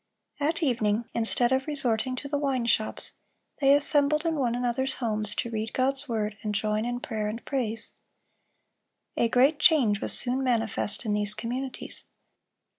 At evening, instead of resorting to the wine shops, they assembled in one another's homes to read God's word and join in prayer and praise. A great change was soon manifest in these communities.